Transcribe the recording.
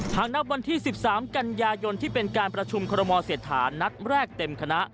หากนับวันที่๑๓กันยายนที่เป็นการประชุมคอรมอเศรษฐานัดแรกเต็มคณะ